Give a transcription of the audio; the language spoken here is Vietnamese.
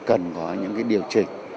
cần có những cái điều chỉnh